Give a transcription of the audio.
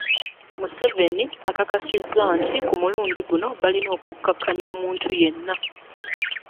Museveni akakasizza nti ku mulundi guno balina okukkakkanya omuntu yenna